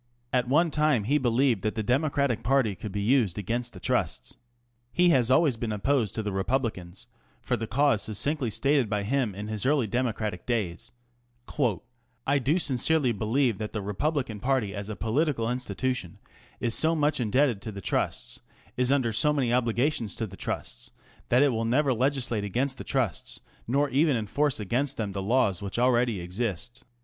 At one time he believed that the Democratic party could be used against the Trusts. He has always been opposed to the Repub licans for the cause succinctly stated by him in his early Democratic days : ŌĆö I do sincerely believe that the Republican party as a political institution is so much indebted to the Trusts, is under so many obligations to the Trusts, that it will never legislate against the Trusts, nor even enforce against them the laws which already exist.